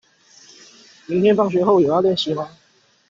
明天放學後有要練習嗎？